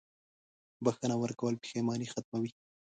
• بښنه ورکول پښېماني ختموي.